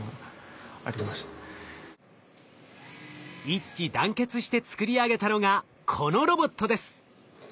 一致団結して作り上げたのがこのロボットです。